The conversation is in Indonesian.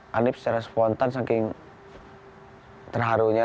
hanif secara spontan saking terharunya